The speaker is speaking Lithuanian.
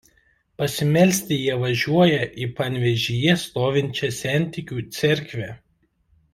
Pasimelsti jie važiuoja į Panevėžyje stovinčią sentikių cerkvę.